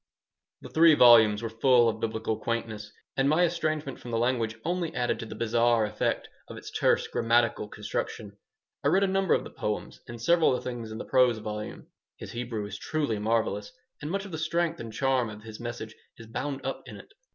'" The three volumes were full of Biblical quaintness, and my estrangement from the language only added to the bizarre effect of its terse grammatical construction. I read a number of the poems, and several of the things in the prose volume. His Hebrew is truly marvelous, and much of the strength and charm of his message is bound up in it.